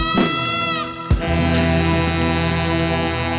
กลับไปที่นี่